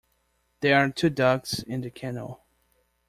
There are two ducks in the canal.